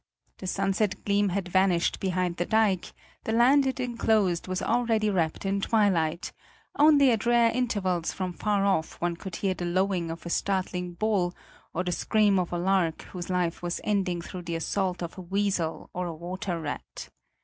The sunset gleam had vanished behind the dike, the land it enclosed was already wrapped in twilight; only at rare intervals from far off one could hear the lowing of a startled bull or the scream of a lark whose life was ending through the assault of a weasel or a water rat.